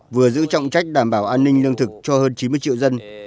vừa giữ trọng trách đảm bảo an ninh lương thực cho hơn chín mươi triệu dân